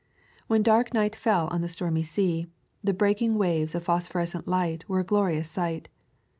When dark night fell on the stormy sea, the breaking waves of phosphorescent light were a glorious sight.